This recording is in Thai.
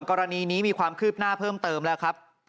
กรณีนี้มีความคืบหน้าเพิ่มเติมแล้วครับ